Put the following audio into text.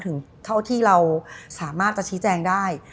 เท่าที่เราสามารถจะชี้แจงได้